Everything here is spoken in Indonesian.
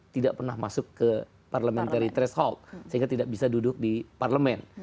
tidak pernah masuk ke parliamentary threshold sehingga tidak bisa duduk di parlemen